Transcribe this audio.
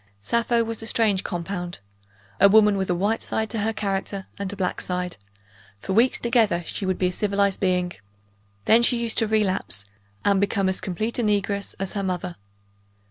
Sappho was a strange compound. A woman with a white side to her character, and a black side. For weeks together, she would be a civilized being. Then she used to relapse, and become as complete a negress as her mother.